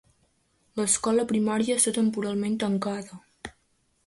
L'escola primària està temporalment tancada.